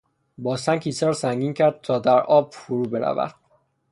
با سنگ کیسه را سنگین کرد تا در آب فرو برود.